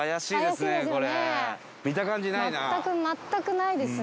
全く全くないですね。